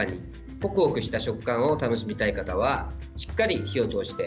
ホクホクした食感を楽しみたい方はしっかり火を通して。